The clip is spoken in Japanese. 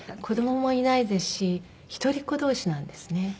子供もいないですし一人っ子同士なんですね。